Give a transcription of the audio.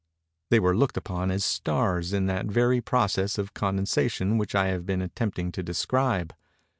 They were looked upon as stars in that very process of condensation which I have been attempting to describe.